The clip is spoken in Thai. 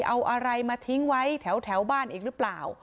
เอาอะไรมาทิ้งไว้แถวบ้านอีกหรือเปล่า